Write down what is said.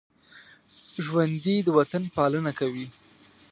ژوندي د وطن پالنه کوي